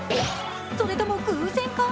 それとも偶然か？